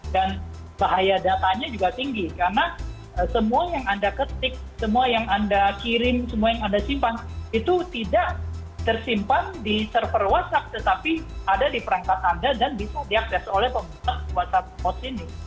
dan bahaya datanya juga tinggi karena semua yang anda ketik semua yang anda kirim semua yang anda simpan itu tidak tersimpan di server whatsapp tetapi ada di perangkat anda dan bisa diakses oleh whatsapp mod ini